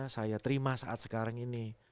saya terima saat sekarang ini